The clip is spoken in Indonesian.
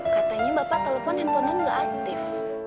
katanya bapak telepon handphone gak aktif